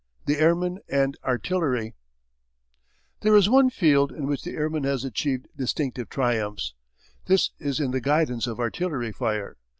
THE AIRMAN AND ARTILLERY There is one field in which the airman has achieved distinctive triumphs. This is in the guidance of artillery fire.